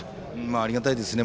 ありがたいですね。